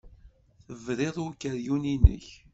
Tebriḍ i ukeryun-nnek.